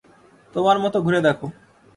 তোমার মত ঘুরে দেখো।